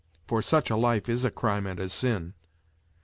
for such a life is a crime and a sin.